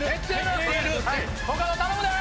コカド頼むで！